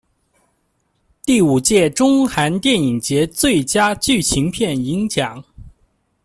第五届中韩电影节最佳剧情片银奖。